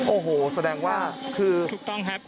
โอ้โหแสดงว่าคือถูกต้องครับ